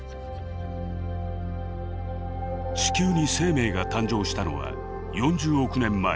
地球に生命が誕生したのは４０億年前。